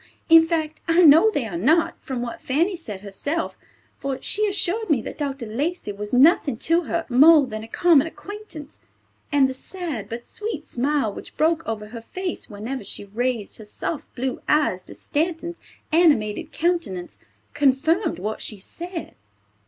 In fact, I know they are not, from what Fanny said herself; for she assured me that Dr. Lacey was nothing to her more than a common acquaintance; and the sad but sweet smile which broke over her face whenever she raised, her soft blue eyes to Stanton's animated countenance confirmed what she said."